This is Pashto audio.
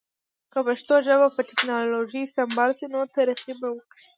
که پښتو ژبه په ټکنالوژی سمبال شی نو ترقی به وکړی